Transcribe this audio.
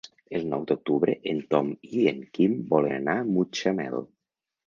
El nou d'octubre en Tom i en Quim volen anar a Mutxamel.